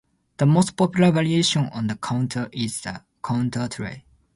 The most popular variation on the counter is the counter trey.